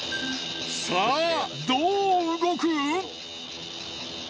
さあどう動く？